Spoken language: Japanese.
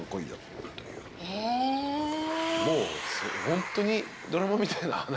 ホントにドラマみたいな話。